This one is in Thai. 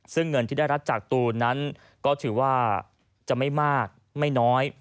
ซึ่งเงินที่ได้รับจากตูนนั้นก็ถือว่าจะไม่มากไม่น้อย